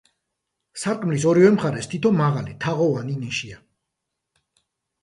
სარკმლის ორივე მხარეს თითო მაღალი თაღოვანი ნიშია.